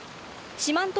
四万十